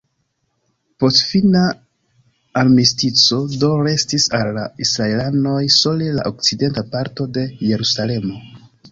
Post fina armistico do restis al la israelanoj sole la okcidenta parto de Jerusalemo.